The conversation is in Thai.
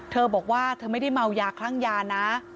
เธอบอกว่าเธอไม่ได้เมายาคลั่งยานะ